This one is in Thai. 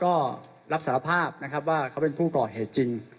ก็รับสารภาพนะครับว่าเขาเป็นผู้ก่อเหตุจริง